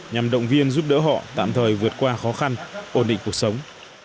nhằm động viên giúp đỡ họ tạm thời vượt qua khó khăn ổn định cuộc sống